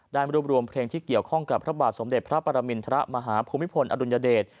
รวบรวมเพลงที่เกี่ยวข้องกับพระบาทสมเด็จพระปรมินทรมาฮภูมิพลอดุลยเดช